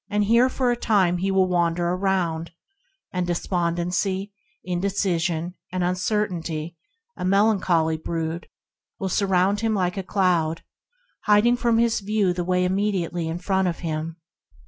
Here for a time he will wander around, while despon dency, indecision, and uncertainty, a melan choly brood, surround him like a cloud, 54 ENTERING THE KINGDOM hiding from his view the way imme diately in front of him.